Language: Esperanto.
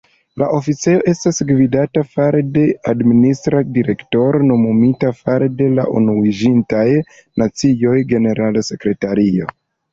La oficejo estas gvidata fare de Administra direktoro nomumita fare de la Unuiĝintaj Nacioj-generalsekretario.